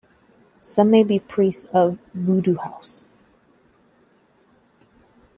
Some may be priests of a Vodou house.